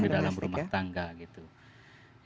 iya rumah tangga ya domestika